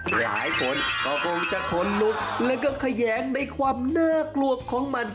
หลายคนก็คงจะขนลุกแล้วก็แขยงในความน่ากลัวของมัน